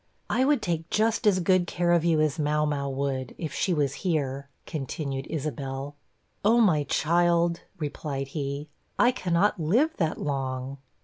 'I would take just as good care of you as Mau mau would, if she was here' continued Isabel. 'Oh, my child,' replied he, 'I cannot live that long.'